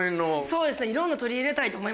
そうですね。